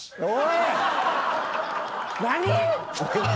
何！？